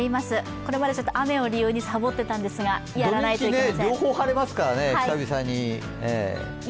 これまでちょっと雨を理由にさぼってたんですが、やらないといけません。